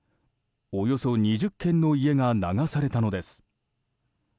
およそ２０軒の家が流されたのです。